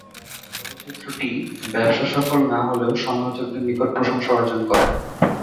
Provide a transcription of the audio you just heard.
চলচ্চিত্রটি ব্যবসাসফল না হলেও সমালোচকদের নিকট প্রশংসা অর্জন করে।